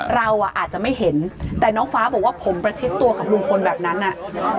เราอ่ะอาจจะไม่เห็นแต่น้องฟ้าบอกว่าผมประชิดตัวกับลุงพลแบบนั้นอ่ะ